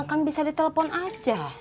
kan bisa ditelepon aja